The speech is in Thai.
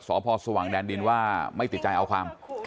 สพสว่างแดนดินว่าไม่ติดใจเอาความ